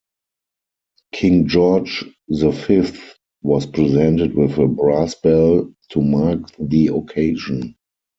"King George the Fifth" was presented with a brass bell to mark the occasion.